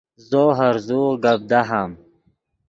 زو ہرزوغ گپ دہام